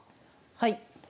はい。